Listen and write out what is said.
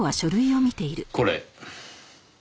これ。